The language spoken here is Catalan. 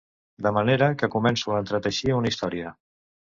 De manera que començo a entreteixir una història.